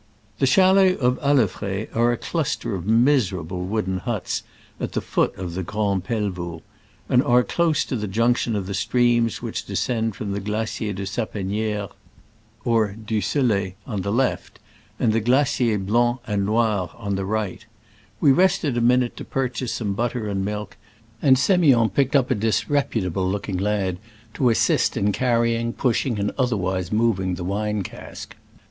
The chalets of Alefred are a cluster of miserable wooden huts at the foot of the Grand Pelvoux, and are close to the junction of the streams which descend from the glacier de Sapeni^re (or du Digitized by Google 20 SCRAMBLES AMONGST THE ALPS IN i86o '69. Sel6) on the left, and the glaciers Blanc and Noir on the right. We rested a minute to purchase some butter and milk, and Semiond picked up a disre putable looking lad to assist in carry ing, pushing and otherwise moving the wine cask.